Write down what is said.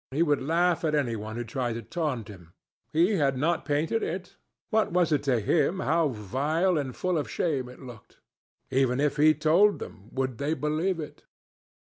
He would laugh at any one who tried to taunt him. He had not painted it. What was it to him how vile and full of shame it looked? Even if he told them, would they believe it?